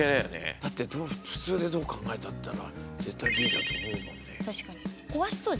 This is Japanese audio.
だって普通でどう考えたって絶対Ｂだと思うもんね。